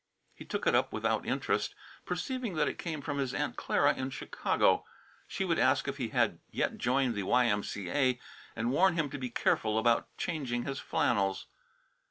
He took it up without interest, perceiving that it came from his Aunt Clara in Chicago. She would ask if he had yet joined the Y.M.C.A., and warn him to be careful about changing his flannels.